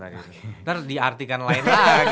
ntar di artikan lain